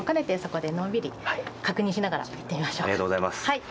はい。